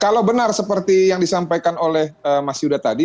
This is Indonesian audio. kalau benar seperti yang disampaikan oleh mas yuda tadi